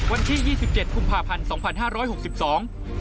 วันที่๒๗คุมภาพันธ์๒๕๖๒